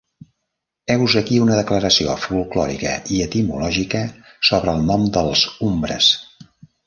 Heus aquí una declaració folklòrica i etimològica sobre el nom dels Umbres.